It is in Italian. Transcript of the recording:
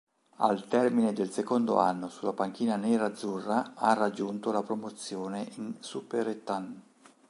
Al termine del secondo anno sulla panchina nerazzurra ha raggiunto la promozione in Superettan.